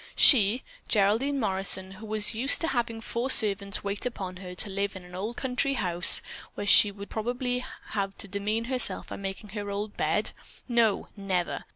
She, Geraldine Morrison, who was used to having four servants wait upon her, to live in an old country house where she would probably have to demean herself by making her own bed? No, never!